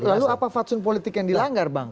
lalu apa fatsun politik yang dilanggar bang